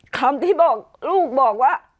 คำที่บอกลูกบอกว่า